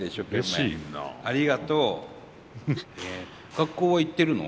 学校は行ってるの？